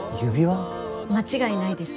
間違いないです。